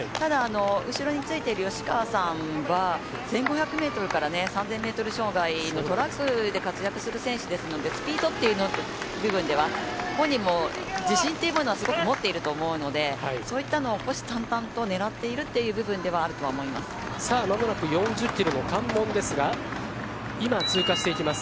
後ろについてる吉川さんは１５００から３０００ｍ障害のトラックで活躍する選手ですのでスピードという部分では本人も自信というものはすごく持ってると思うのでそういったのを虎視眈々と狙っているという部分では間もなく４０キロの関門ですが今、通過していきます。